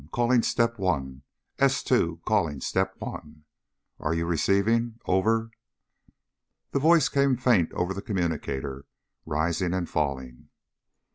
Calling Step One. S two calling Step One. Are you receiving? Over." The voice came faint over the communicator, rising and falling.